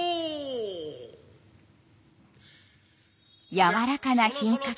やわらかな品格。